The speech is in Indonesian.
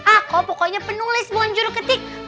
aku pokoknya penulis bukan juru ketik